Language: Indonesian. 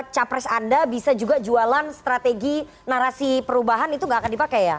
capres anda bisa juga jualan strategi narasi perubahan itu nggak akan dipakai ya